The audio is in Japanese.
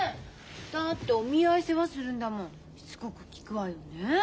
だってお見合い世話するんだもんしつこく聞くわよねえ？